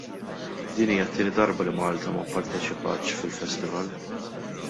Din hija t-tieni darba li Malta ma pparteċipatx fil-festival.